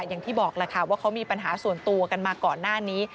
อย่างที่บอกแหละค่ะว่าเขามีปัญหาส่วนตัวกันมาก่อนหน้านี้